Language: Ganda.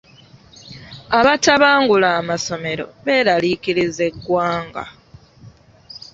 Abatabangula amasomero beeraliikiriza eggwanga.